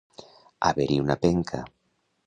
Haver-hi una penca.